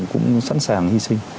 cũng sẵn sàng hy sinh